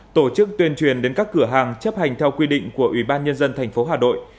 tổ chức tuyên truyền đến các cửa hàng chấp hành theo quy định của ủy ban nhân dân thành phố hà nội